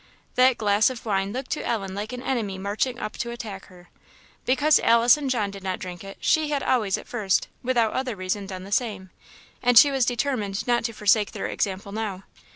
That glass of wine looked to Ellen like an enemy marching up to attack her. Because Alice and John did not drink it, she had always at first, without other reason, done the same; and she was determined not to forsake their example now.